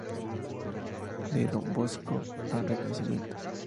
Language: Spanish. De Don Bosco a Renacimiento.